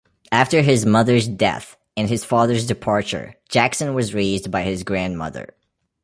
After his mother's death and his father's departure Jackson was raised by his grandmother.